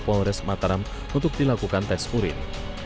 kesebelas warga diamankan menuju mapo res mataram untuk dilakukan tes urin